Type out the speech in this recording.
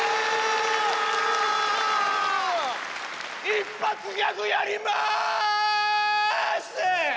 一発ギャグやります！